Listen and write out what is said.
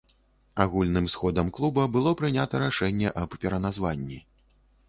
Агульным сходам клуба было прынята рашэнне аб пераназванні.